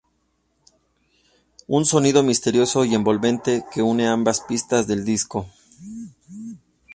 Un sonido misterioso y envolvente que une ambas pistas del disco.